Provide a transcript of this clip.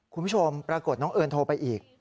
คุณผู้ชมปรากฏน้องเอิญโทรไปอีก